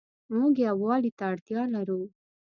موږ يووالي ته اړتيا لرو